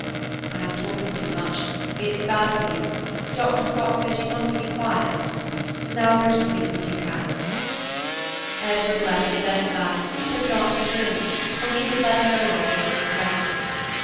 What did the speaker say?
"I'm talking too much; it's bad for you. Dr. Scott said you must be quiet. Now go to sleep, if you can." Edward left the bedside but not the room, for he would let no one take his place.